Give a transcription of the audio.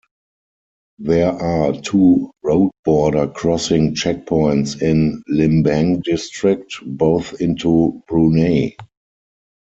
There are two road border crossing checkpoints in Limbang district, both into Brunei.